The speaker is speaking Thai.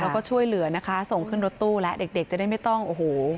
แล้วก็ช่วยเหลือนะคะส่งขึ้นรถตู้แล้วเด็กเด็กจะได้ไม่ต้องโอ้โห